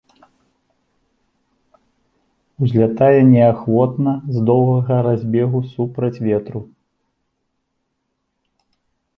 Узлятае неахвотна, з доўгага разбегу супраць ветру.